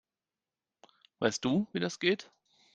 Weißt du, wie das geht?